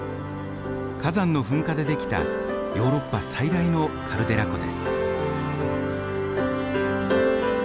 火山の噴火で出来たヨーロッパ最大のカルデラ湖です。